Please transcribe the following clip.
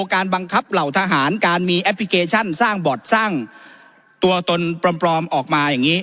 การบังคับเหล่าทหารการมีแอปพลิเคชันสร้างบอร์ดสร้างตัวตนปลอมออกมาอย่างนี้